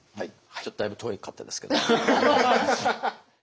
ちょっとだいぶ遠かったですけど。